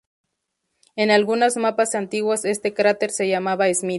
En algunos mapas antiguos este cráter se llamaba "Smith".